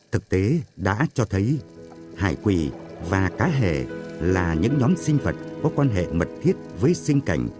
thực tế đã cho thấy hải quỷ và cá hề là những nhóm sinh vật có quan hệ mật thiết với sinh cảnh